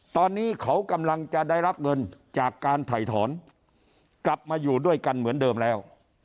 ตอนนี้เขากำลังจะได้รับเงินจากการถ่ายถอนกลับมาอยู่ด้วยกันเหมือนเดิมแล้ว